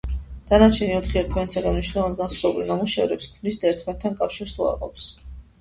დანარჩენი ოთხი ერთმანეთისგან მნიშვნელოვნად განსხვავებულ ნამუშევრებს ქმნის და ერთმანეთთან კავშირს უარყოფს.